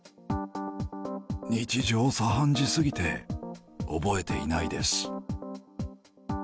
日常茶飯事すぎて、覚えていないです。